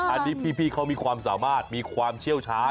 อันนี้พี่เขามีความสามารถมีความเชี่ยวชาญ